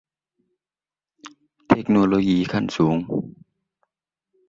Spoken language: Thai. เทคโนโลยีชั้นสูง